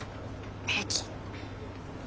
平気。